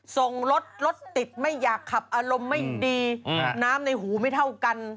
ส่งรถรถติดไม่อยากขับอารมณ์ไม่ดีน้ำในหูไม่เท่ากัน